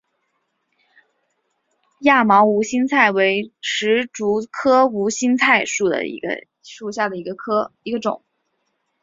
亚毛无心菜为石竹科无心菜属下的一个种。